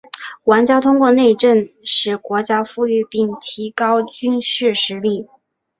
玩家通过内政使国家富裕并提高军事实力。